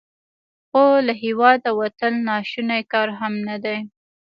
خو له هیواده وتل ناشوني کار هم نه دی.